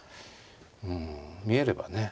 うん見えればね。